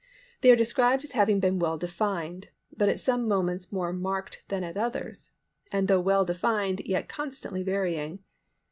They are described as having been well defined, but at some moments more marked than at others, and though well defined yet constantly varying.